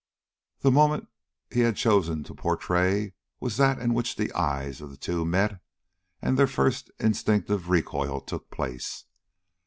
The moment he had chosen to portray was that in which the eyes of the two met and their first instinctive recoil took place.